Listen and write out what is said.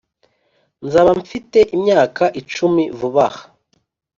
nzaba mfite imyaka icumi vuba aha,